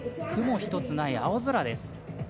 雲一つない青空です。